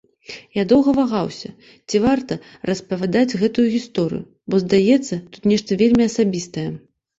Я доўга вагаўся, ці варта распавядаць гэтую гісторыю, бо, здаецца, тут нешта вельмі асабістае.